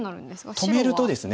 止めるとですね